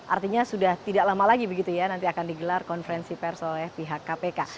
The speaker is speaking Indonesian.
artinya sudah tidak lama lagi begitu ya nanti akan digelar konferensi pers oleh pihak kpk